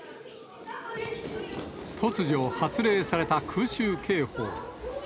突如、発令された空襲警報。